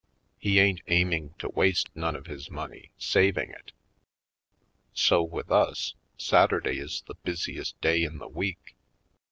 He ain't aiming to waste none of his money, saving it. So, with us, Satur day is the busiest day in the week.